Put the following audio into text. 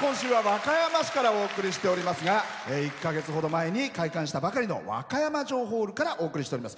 今週は和歌山市からお送りしておりますが１か月前ほどにできた和歌山城ホールからお送りしてます。